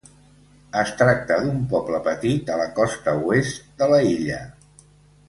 Es tracta d'un poble petit a la costa oest de la illa.